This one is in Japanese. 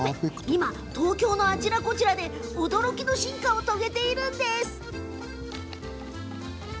今、東京のあちらこちらで驚きの進化を遂げているんです。